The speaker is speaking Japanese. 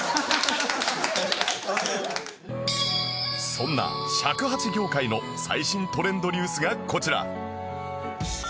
そんな尺八業界の最新トレンドニュースがこちら